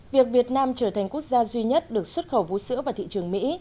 việc việt nam trở thành quốc gia duy nhất được xuất khẩu vũ sữa vào thị trường mỹ